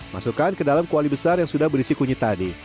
masukkan ke dalam kuali besar yang sudah berisi kunyit tadi